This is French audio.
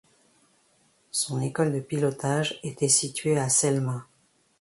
Son école de pilotage était située à Selma.